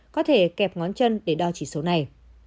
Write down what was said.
có thể kẹp ngón chân để đo chỉ số này